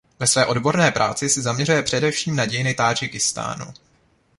Ve své odborné práci se zaměřuje především na dějiny Tádžikistánu.